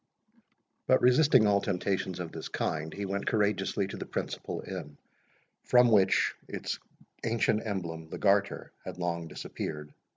But resisting all temptations of this kind, he went courageously to the principal inn, from which its ancient emblem, the Garter, had long disappeared.